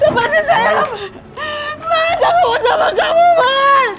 lepasin saya mas aku mau sama kamu mas